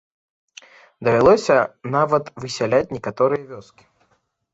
Давялося нават высяляць некаторыя вёскі.